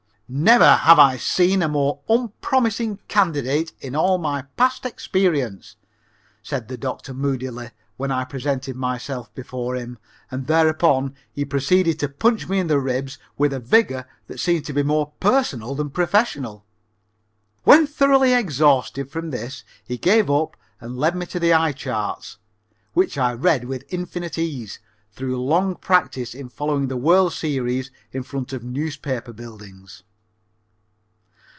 "Never have I seen a more unpromising candidate in all my past experience," said the doctor moodily when I presented myself before him, and thereupon he proceeded to punch me in the ribs with a vigor that seemed to be more personal than professional. When thoroughly exhausted from this he gave up and led me to the eye charts, which I read with infinite ease through long practise in following the World Series in front of newspaper buildings.